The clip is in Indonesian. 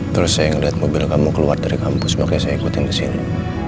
terus saya ngeliat mobil kamu keluar dari kampus makanya saya ikutin ke sini